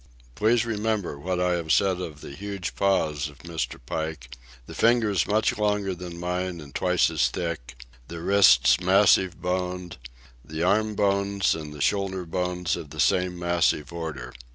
Please remember what I have said of the huge paws of Mr. Pike, the fingers much longer than mine and twice as thick, the wrists massive boned, the arm bones and the shoulder bones of the same massive order.